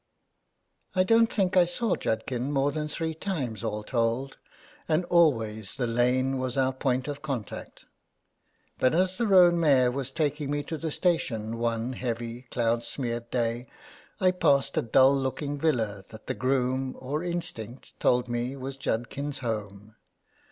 I don't think I saw Judkin more than three times all told, and always the lane was our point of contact ; but as the roan mare was taking me to the station one heavy, cloud smeared day, I passed a dull looking villa that the groom, or instinct, told me was Judkin's home.